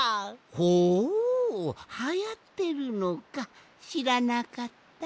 ほうはやってるのかしらなかった。